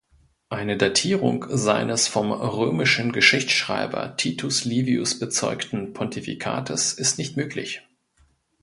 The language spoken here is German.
Eine Datierung seines vom römischen Geschichtsschreiber Titus Livius bezeugten Pontifikates ist nicht möglich.